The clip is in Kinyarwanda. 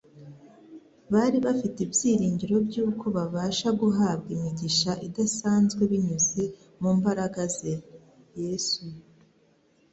Bari bafite ibyiringiro by’uko babasha guhabwa imigisha idasanzwe binyuze mu mbaraga ze (Yesu)